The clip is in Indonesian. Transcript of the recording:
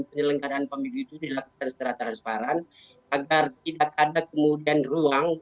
penyelenggaraan pemilu itu dilakukan secara transparan agar tidak ada kemudian ruang